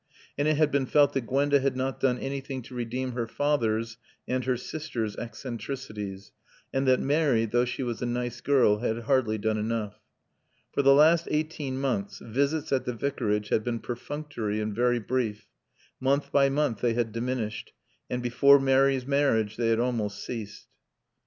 And it had been felt that Gwenda had not done anything to redeem her father's and her sister's eccentricities, and that Mary, though she was a nice girl, had hardly done enough. For the last eighteen months visits at the Vicarage had been perfunctory and very brief, month by month they had diminished, and before Mary's marriage they had almost ceased.